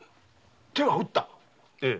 手は打った⁉ええ。